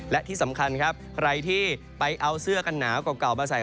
และที่สำคัญครับใครที่ไปเอาเสื้อกันหนาวเก่ามาใส่